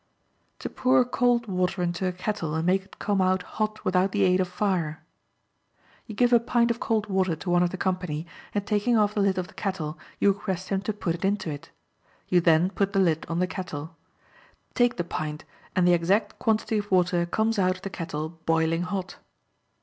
To Pour Cold Water Into a Kettle and Make It Come Out Hot Without the Aid of Fire.—You give a pint of cold water to one of the company, and taking off the lid of the kettle, you request him to put it into it; you then put the lid on the kettle. Take the pint and the exact quantity of water comes out of the kettle boiling hot.